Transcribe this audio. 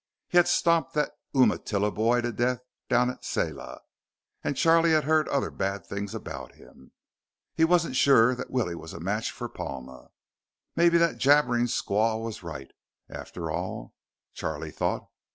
He had stomped that Umatilla boy to death down at Selah, and Charlie had heard other bad things about him. He wasn't sure that Willie was a match for Palma. Maybe that jabbering squaw was right, after all, Charlie thought.